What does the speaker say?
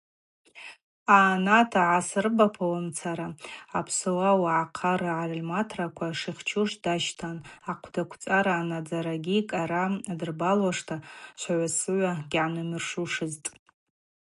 Йъанатӏа гӏайрысабапуамцара апсуа уагӏахъа ргӏальаматраква шихчуш дащтан, йхъвдаквцӏара анадзарагьи кӏара адырбалуашта швхӏаусыгӏва гьгӏанимыршузтӏ.